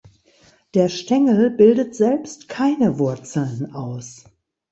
Der Stängel bildet selbst keine Wurzeln aus.